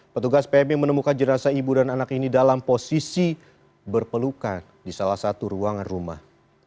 petugas pmi menemukan jenazah ibu dan anak ini dalam posisi berpelukan di salah satu ruangan rumah